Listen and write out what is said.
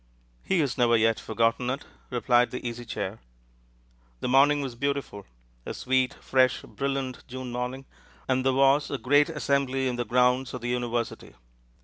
"He has never yet forgotten it," replied the Easy Chair. The morning was beautiful a sweet, fresh, brilliant June morning and there was a great assembly in the grounds of the university.